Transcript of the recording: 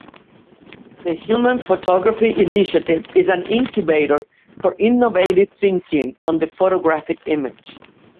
The Hillman Photography Initiative is an incubator for innovative thinking on the photographic image.